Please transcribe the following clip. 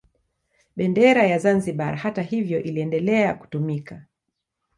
Bendera ya Zanzibar hata hivyo iliendelea kutumika